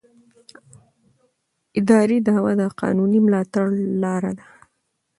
اداري دعوه د قانوني ملاتړ لاره ده.